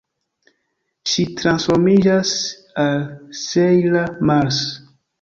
Ŝi transformiĝas al Sejla Mars.